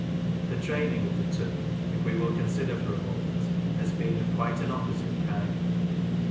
The training of the two, if we will consider for a moment, has been of quite an opposite kind.